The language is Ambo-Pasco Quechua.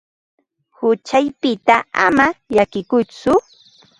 Huchaykipita ama llakikuytsu.